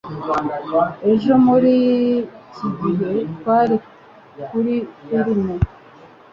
Ejo muri iki gihe, twari kuri firime.